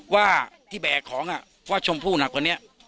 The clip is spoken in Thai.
ว่าที่แบกของอะว่าชมพู่หนักกว่านี้